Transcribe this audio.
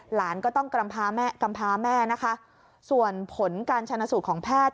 หลานก็ต้องกำพาแม่ส่วนผลการชาญสูตรของแพทย์